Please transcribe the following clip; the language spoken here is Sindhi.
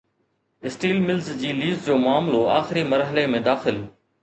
اسٽيل ملز جي ليز جو معاملو آخري مرحلي ۾ داخل